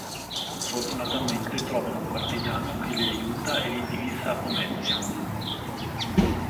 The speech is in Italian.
Fortunatamente trovano un partigiano che li aiuta e li indirizza a Pomezia.